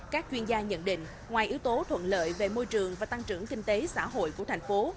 các chuyên gia nhận định ngoài yếu tố thuận lợi về môi trường và tăng trưởng kinh tế xã hội của thành phố